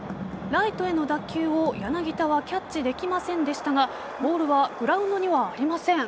ライトへの打球を柳田はキャッチできませんでしたがボールはグラウンドにはありません。